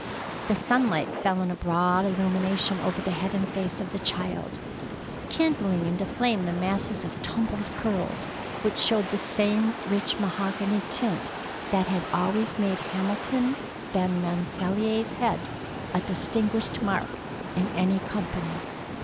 The sunlight fell in a broad illumination over the head and face of the child, kindling into flame the masses of tumbled curls which showed the same rich mahogany tint that had always made Hamilton Van Rensselaer's head a distinguished mark in any company.